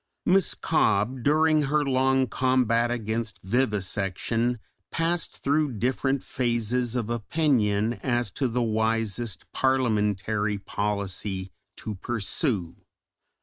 Miss Cobbe during her long combat against vivisection passed through different phases of opinion as to the wisest parliamentary policy to pursue.